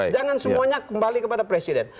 jangan semuanya kembali kepada presiden